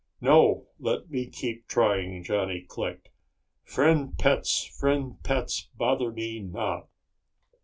"No, let me keep trying," Johnny clicked. "Friend pets, friend pets, bother me not."